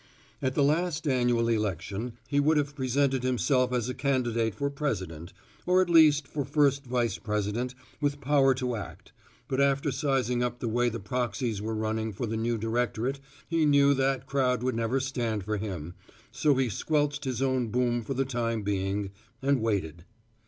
At the last annual election, he would have presented himself as a candidate for president, or at least for first vice president with power to act, but after sizing up the way the proxies were running for the new directorate, he knew that crowd would never stand for him, so he squelched his own boom for the time being, and waited.